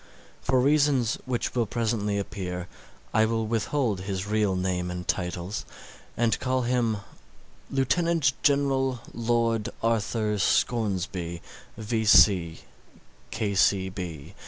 For reasons which will presently appear, I will withhold his real name and titles, and call him Lieutenant General Lord Arthur Scoresby, V.